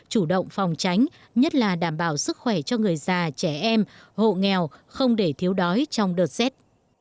chủ động phòng tránh nhất là đảm bảo sức khỏe cho người già trẻ em hộ nghèo không để thiếu đói trong đợt rét